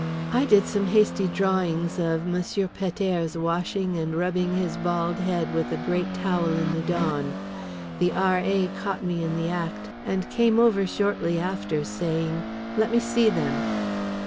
I did some hasty drawings of Monsieur Pet airs washing and rubbing his bald head with a great towel in the dawn. The R.A. caught me in the act and came over shortly after, saying, "Let me see them."